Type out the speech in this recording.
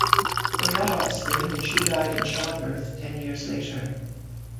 They had offspring and she died in childbirth ten years later.